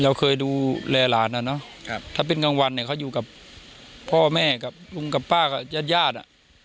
เราเคยดูแลหลานนะเนาะถ้าเป็นกลางวันเนี่ยเขาอยู่กับพ่อแม่กับลุงกับป้ากับญาติญาติอ่ะ